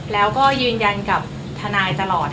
แล้วก็ยืนยันกับทนายตลอด